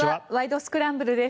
スクランブル」です。